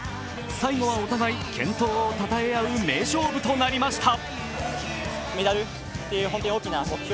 最後はお互い、健闘をたたえ合う名勝負となりました。